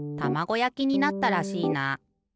やきになったらしいな。